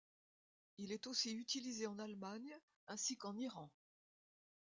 Il est aussi utilisé en Allemagne, ainsi qu'en Iran.